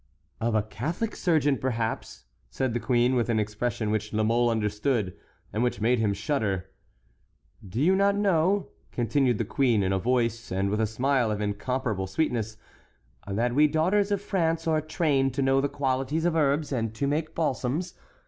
"Of a Catholic surgeon, perhaps," said the queen, with an expression which La Mole understood and which made him shudder. "Do you not know," continued the queen in a voice and with a smile of incomparable sweetness, "that we daughters of France are trained to know the qualities of herbs and to make balsams?